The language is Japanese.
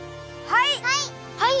はい！